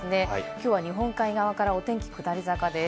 今日は日本海側からお天気が下り坂です。